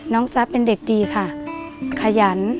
น้องซับเป็นเด็กดีค่ะขยัน